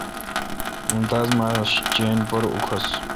ممتاز ماݭہ چین پر اوکھس۔